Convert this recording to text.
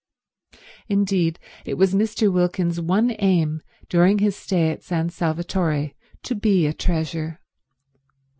Indeed it was Mr. Wilkins's one aim during his stay at San Salvatore to be a treasure.